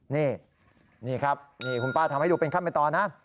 นี่นี่ครับนี่คุณป้าทำให้ดูเป็นขั้นเป็นตอนนะ